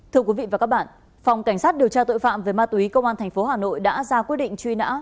thưa quý vị và các bạn phòng cảnh sát điều tra tội phạm về ma túy công an tp hà nội đã ra quyết định truy nã